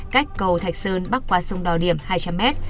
cách cầu thạch sơn bắc qua sông đò điểm hai trăm linh mét